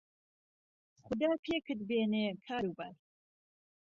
خودا پێکت بێنێ کار و بار